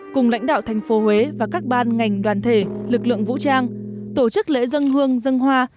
cùng lãnh đạo thành phố huế và các ban ngành đoàn thể lực lượng vũ trang tổ chức lễ dân hương dân hoa